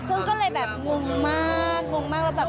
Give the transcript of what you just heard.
ซึ่งก็เลยแบบงงมากงงมากแล้วแบบ